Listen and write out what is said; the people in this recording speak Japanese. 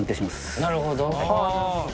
なるほど。